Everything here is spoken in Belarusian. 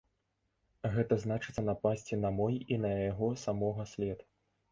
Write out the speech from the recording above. Гэта значыцца напасці на мой і на яго самога след.